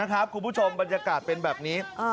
คุณผู้ชมบรรยากาศเป็นแบบนี้